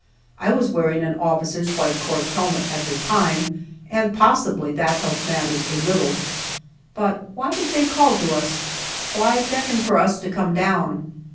I was wearing an officer's white cork helmet at the time, and possibly that helped matters a little. But why did they call to us why beckon for us to come down?